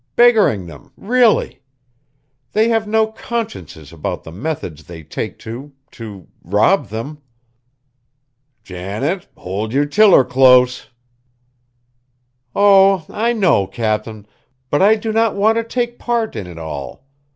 Beggaring them, really! they have no consciences about the methods they take to to rob them!" "Janet, hold yer tiller close!" "Oh! I know, Cap'n, but I do not want to take part in it all.